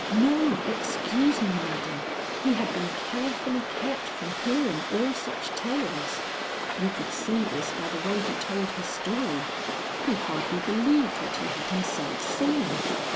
"No; excuse me, madam, he had been carefully kept from hearing all such tales. You could see this by the way he told his story. He hardly believed what he had himself seen.